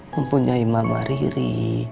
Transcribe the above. mempunyai mama riri